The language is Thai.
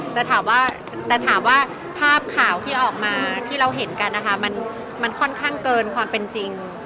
แต่ถามว่าแต่ถามว่าภาพข่าวที่ออกมาที่เราเห็นกันนะคะมันค่อนข้างเกินความเป็นจริง